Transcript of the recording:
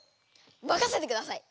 任せてください！